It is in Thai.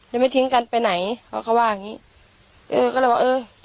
แล้วไม่ทิ้งกันไปไหนเขาก็ว่าอย่างงี้เออก็เลยบอกเออ